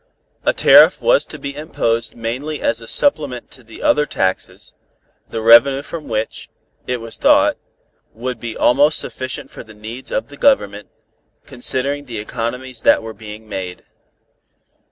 A tariff was to be imposed mainly as a supplement to the other taxes, the revenue from which, it was thought, would be almost sufficient for the needs of the Government, considering the economies that were being made.